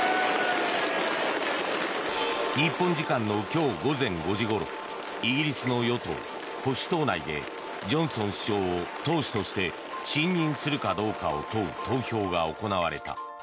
日本時間の今日午前５時ごろイギリスの与党・保守党内でジョンソン首相を党首として信任するかどうかを問う投票が行われた。